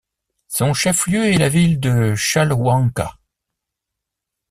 Son chef-lieu est la ville de Chalhuanca.